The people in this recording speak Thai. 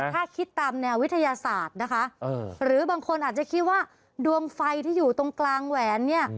ถ้าคิดตามแนววิทยาศาสตร์นะคะหรือบางคนอาจจะคิดว่าดวงไฟที่อยู่ตรงกลางแหวนเนี่ย